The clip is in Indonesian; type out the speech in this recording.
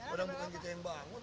orang bukan kita yang bangun